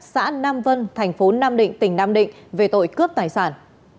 xã nam vân tp nam định tỉnh nam định về tội cướp tài sản